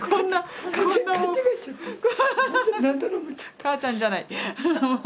母ちゃんじゃない。